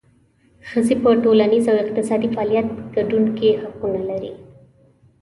ښځې په ټولنیز او اقتصادي فعال ګډون کې حقونه لري.